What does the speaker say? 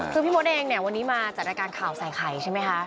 คือพี่มฏต์เองเนี่ยวันนี้มาจากรายการคาวใส่ไขใช่มั้ยคะ